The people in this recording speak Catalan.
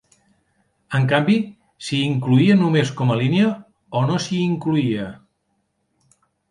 En canvi, s'hi incloïa només com a línia, o no s'hi incloïa.